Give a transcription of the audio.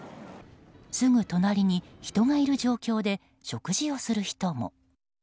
すぐ隣に人がいる状況で食事をする人も。